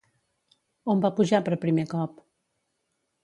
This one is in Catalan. On va pujar per primer cop?